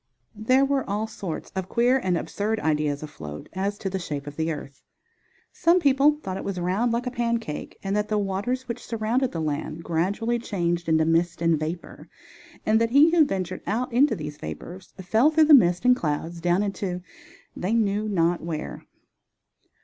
There were all sorts of queer and absurd ideas afloat as to the shape of the earth. Some people thought it was round like a pancake and that the waters which surrounded the land gradually changed into mist and vapor and that he who ventured out into these vapors fell through the mist and clouds down into they knew not where.